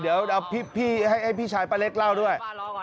เดี๋ยวพี่ให้พี่ชายป้าเล็กเล่าด้วย